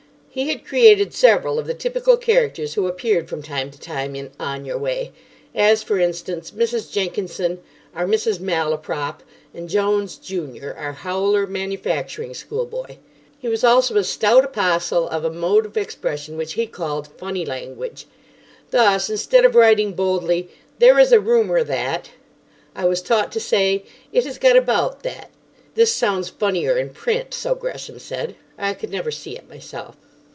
He had created several of the typical characters who appeared from time to time in "On Your Way," as, for instance, Mrs. Jenkinson, our Mrs. Malaprop, and Jones junior, our "howler" manufacturing schoolboy. He was also a stout apostle of a mode of expression which he called "funny language." Thus, instead of writing boldly: "There is a rumour that——," I was taught to say, "It has got about that——." This sounds funnier in print, so Gresham said. I could never see it myself.